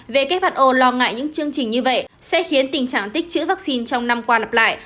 who lo ngại những chương trình như vậy sẽ khiến tình trạng tích chữ vaccine trong năm qua lặp lại